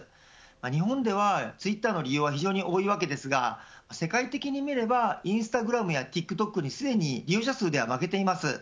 日本ではツイッターの利用は非常に多いわけですが世界的に見ればインスタグラムやＴｉｋＴｏｋにすでに利用者数では負けています。